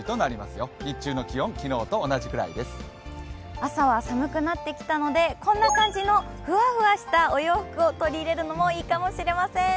朝は寒くなってきたのでこんな感じのふわふわしたお洋服を取り入れるのもいいかもしれません。